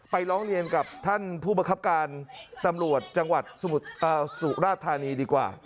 ร้องเรียนกับท่านผู้บังคับการตำรวจจังหวัดสุราธานีดีกว่า